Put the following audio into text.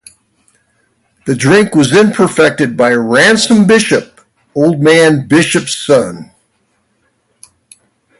The drink was then perfected by Ransom Bishop, Old Man Bishop's son.